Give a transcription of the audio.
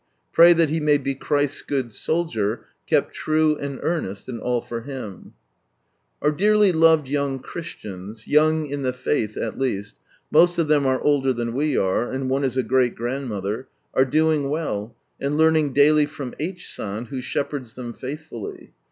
Pray that he may be Christ's good soldier, kept true and earnest and all for Hiin. Our dearly loved young Christians (young in the Faith at least, most of them are older than we are, and one is a great grandmother) are doing well, and learning daily from H. San, who shepherds them faithfully.